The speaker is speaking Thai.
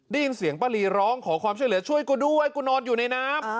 ได้ยินเสียงป้าลีร้องขอความช่วยเหลือช่วยกูด้วยกูนอนอยู่ในน้ำ